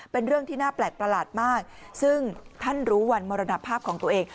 เป็นเรื่องที่น่าแปลกประหลาดมากซึ่งท่านรู้วันมรณภาพของตัวเอง